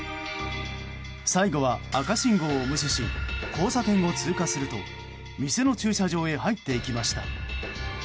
最後は赤信号を無視し交差点を通過すると店の駐車場へ入っていきました。